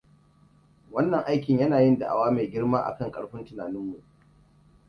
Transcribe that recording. Wannan aikin yana yin da'awa mai girma akan ƙarfin tunaninmu.